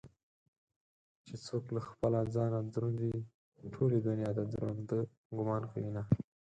چې څوك له خپله ځانه دروند وي ټولې دنياته ددراندۀ ګومان كوينه